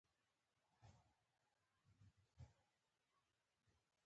ناک د پروان نښه ده.